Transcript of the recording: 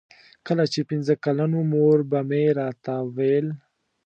کله چې پنځه کلن وم مور به مې راته ویل.